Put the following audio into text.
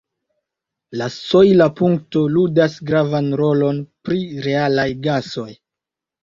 La sojla punkto ludas gravan rolon pri realaj gasoj.